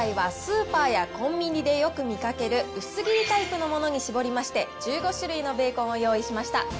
今回はスーパーやコンビニでよく見かける薄切りタイプのものに絞りまして、１５種類のベーコンを用意しました。